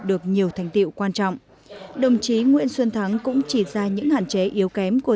được nhiều thành tiệu quan trọng đồng chí nguyễn xuân thắng cũng chỉ ra những hạn chế yếu kém của